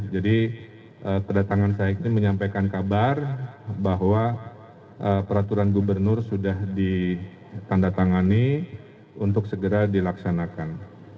jadi kedatangan saya ini menyampaikan kabar bahwa peraturan gubernur sudah ditandatangani untuk segera dilaksanakan